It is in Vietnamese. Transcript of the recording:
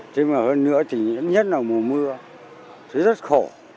thế mà hơn nữa thì nhất là mùa mưa rất khổ